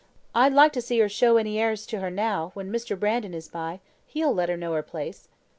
I'd like to see her show any airs to her now, when Mr. Brandon is by; he'll let her know her place.